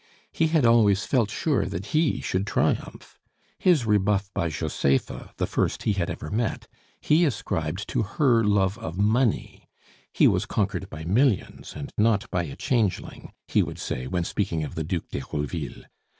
He had always felt sure that he should triumph. His rebuff by Josepha, the first he had ever met, he ascribed to her love of money; "he was conquered by millions, and not by a changeling," he would say when speaking of the Duc d'Herouville.